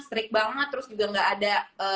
strik banget terus juga nggak ada